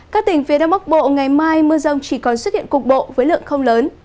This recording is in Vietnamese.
các tỉnh phía đông bắc bộ ngày mai mưa rông chỉ còn xuất hiện cục bộ với lượng không lớn